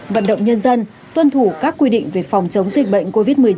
vận động nhân dân tuân thủ các quy định về phòng chống dịch bệnh covid một mươi chín